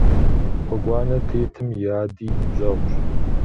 Гъуэгуанэ тетым и ади и ныбжьэгъущ.